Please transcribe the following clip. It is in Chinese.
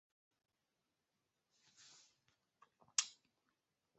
该卡洪被认为起源于秘鲁。